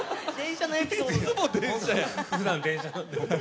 いつも電車やん！